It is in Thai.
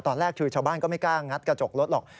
ตอนแรกคือชาวบ้านก็ไม่กล้างัดกระจกรถหรอก